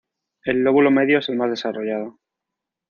El lóbulo medio es el más desarrollado.